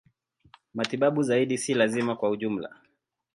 Matibabu zaidi si lazima kwa ujumla.